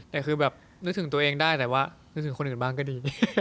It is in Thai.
แต่คือแบบนึกถึงตัวเองได้แต่ว่านึกถึงคนอื่นบ้างก็ดี